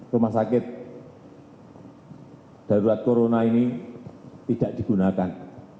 rumah sakit darurat corona ini tidak digunakan